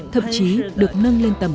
thậm chí được nâng lên tầm mức